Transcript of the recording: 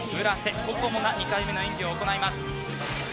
村瀬心椛が２回目の演技を行います。